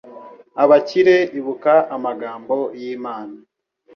Abakire ibuka amagambo y'Imana